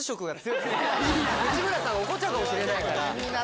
内村さんが怒っちゃうかもしれないから。